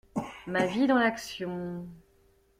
Ma vie dans l'action